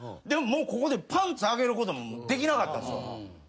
でももうここでパンツ上げることもできなかった。